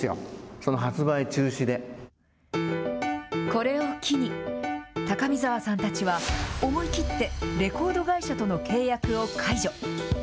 これを機に、高見沢さんたちは思い切ってレコード会社との契約を解除。